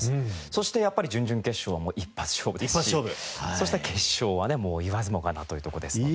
そしてやっぱり準々決勝は一発勝負ですしそして決勝はねもう言わずもがなというとこですので。